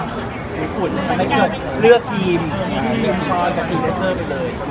ช่องความหล่อของพี่ต้องการอันนี้นะครับ